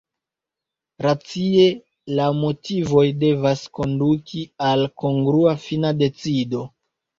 Racie la motivoj devas konduki al kongrua fina decido.